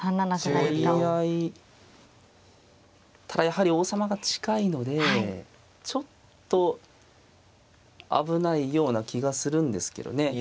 ただやはり王様が近いのでちょっと危ないような気がするんですけどね。